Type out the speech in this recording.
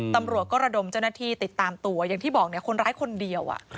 ตำรวจก็ระดมเจ้าหน้าที่ติดตามตัวอย่างที่บอกคนร้ายคนเดียว